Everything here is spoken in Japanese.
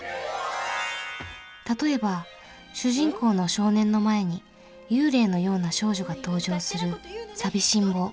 例えば主人公の少年の前に幽霊のような少女が登場する「さびしんぼう」。